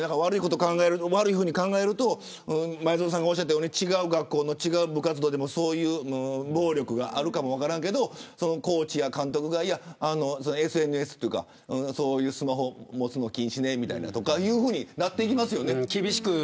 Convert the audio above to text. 悪いふうに考えると前園さんがおっしゃったように違う学校の違う部活動でもそういう暴力があるか分からないけれどコーチや監督がＳＮＳというかスマホを持つのも禁止ねとかいうふうになっていきますよね。